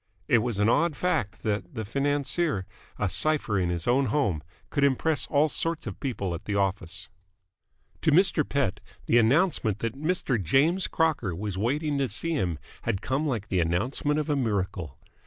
It was an odd fact that the financier, a cipher in his own home, could impress all sorts of people at the office. To Mr. Pett, the announcement that Mr. James Crocker was waiting to see him had come like the announcement of a miracle.